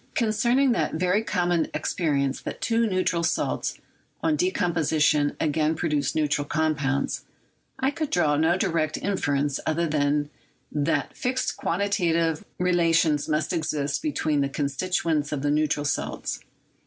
. concerning that very common experience that two neutral salts on decom position again produce neutral compounds, I could draw no direct inference other than that fixed quantitative re lations must exist between the constituents of the neutral salts.